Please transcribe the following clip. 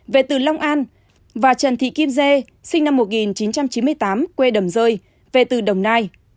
về từ long an và trần thị kim dê sinh năm một nghìn chín trăm chín mươi tám quê đầm rơi về từ đồng nai